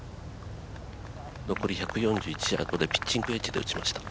残り１４１ヤードでピッチングウェッジで打ちました。